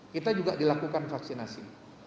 kita juga dilakukan vaksinasi